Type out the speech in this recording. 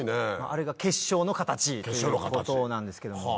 あれが結晶の形ということなんですけども。